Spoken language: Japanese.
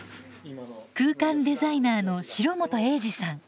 空間デザイナーの城本栄治さん。